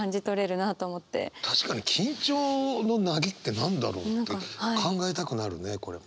確かに「緊張の凪」って何だろう？って考えたくなるねこれ。